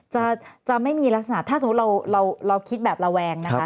จะไม่มีลักษณะถ้าสมมุติเราคิดแบบระแวงนะคะ